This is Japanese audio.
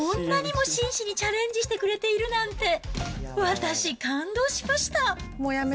こじるりちゃんがこんなにも真摯にチャレンジしてくれているなんて、私、感動しました。